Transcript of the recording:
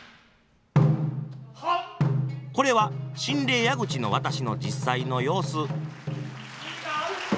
これは「神霊矢口渡」の実際の様子。